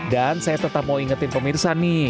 dan saya tetap mau ingetin pemirsa nih